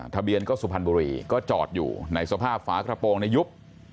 ทะเบียนก็สุพรรณบุรีก็จอดอยู่ในสภาพฝากระโปรงในยุบ